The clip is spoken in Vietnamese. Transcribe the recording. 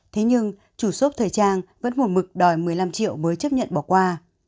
thế nhưng chủ shop thời trang vẫn hồn mực đòi một mươi năm triệu mới chấp nhận bỏ qua